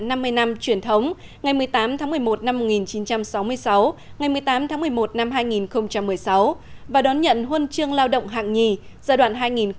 năm mươi năm truyền thống ngày một mươi tám tháng một mươi một năm một nghìn chín trăm sáu mươi sáu ngày một mươi tám tháng một mươi một năm hai nghìn một mươi sáu và đón nhận huân chương lao động hạng nhì giai đoạn hai nghìn một mươi một hai nghìn một mươi năm